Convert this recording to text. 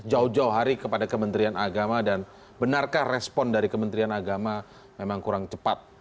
jauh jauh hari kepada kementerian agama dan benarkah respon dari kementerian agama memang kurang cepat